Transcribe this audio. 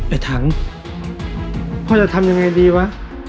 ถังพ่อจะทำยังไงดีวะ